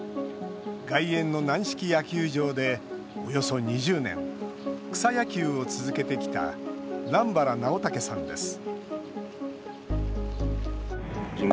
外苑の軟式野球場でおよそ２０年草野球を続けてきた南原直岳さんです